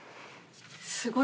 すごい。